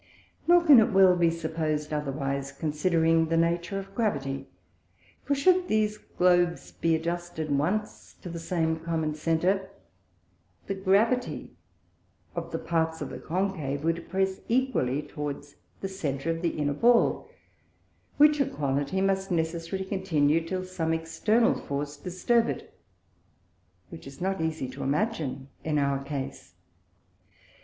Nor can it well be suppos'd otherwise, considering the Nature of Gravity; for should these Globes be adjusted once to the same common Centre, the Gravity of the parts of the Concave would press equally towards the Centre of the inner Ball, which equality must necessarily continue till some External Force disturb it, which is not easie to imagine in our Case.